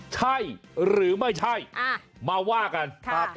ใช่หรือไม่ใช่มาว่ากันครับ